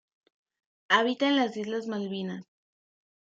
Habita en las Islas Malvinas.